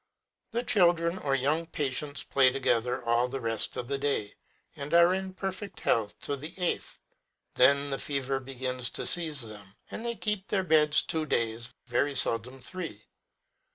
The chil dren or young patients play together all the rest of the day, and are in perfect health to the eighth. Then the fever begins to seize them, and they keep their beds two days, very seldom three.